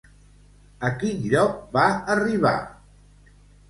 A quin lloc va arribar?